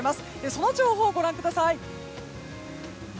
その情報をご覧ください。